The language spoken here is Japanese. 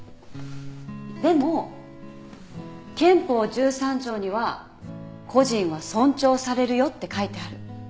でも憲法１３条には個人は尊重されるよって書いてある。